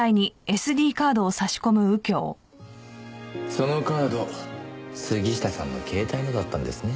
そのカード杉下さんの携帯のだったんですね。